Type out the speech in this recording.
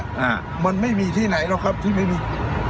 อ่ามันไม่มีที่ไหนหรอกครับที่ไม่มี